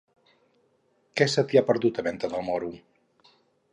Què se t'hi ha perdut, a Venta del Moro?